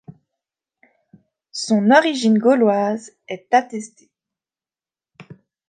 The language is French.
Son origine gauloise est attestée.